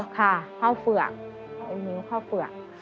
ค่ะเข้าเฝือกน้องมิวเข้าเฝือก